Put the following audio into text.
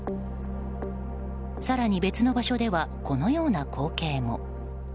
更に、別の場所ではこのような光景も。